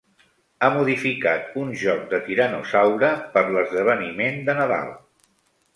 Ha modificat un joc de tiranosaure per l'esdeveniment de Nadal.